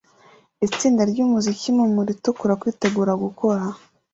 Itsinda ryumuziki mumuri itukura kwitegura gukora